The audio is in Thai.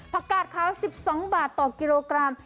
ประกาศค้า๑๒บาทต่อกิโลกรัม